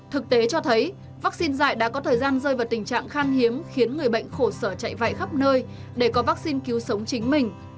thực tế cho thấy vaccine dạy đã có thời gian rơi vào tình trạng khan hiếm khiến người bệnh khổ sở chạy vại khắp nơi để có vaccine cứu sống chính mình